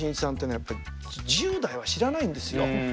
やっぱり１０代は知らないんですよ。